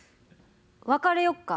別れよっか。